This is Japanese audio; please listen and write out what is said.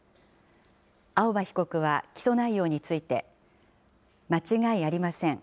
青葉被告は起訴内容について、間違いありません。